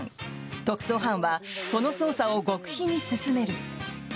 特捜班はその捜査を極秘に進める。